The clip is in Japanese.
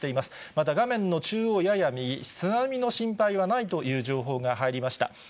また画面の中央やや右、津波の心配はないという情報が入りました。